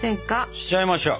しちゃいましょう！